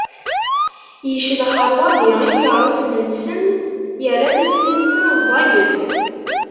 Iclex ṛṛwaḍi n ikeṛṛusen-nsen, irra tikli-nsen ẓẓayet.